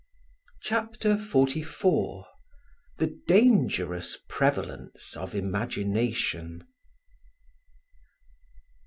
CHAPTER XLIV THE DANGEROUS PREVALENCE OF IMAGINATION.